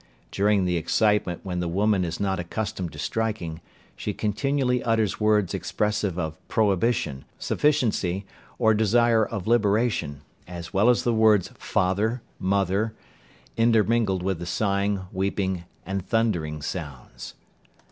During the excitement when the woman is not accustomed to striking, she continually utters words expressive of prohibition, sufficiently, or desire of liberation, as well as the words "father," "mother," intermingled with the sighing, weeping and thundering sounds.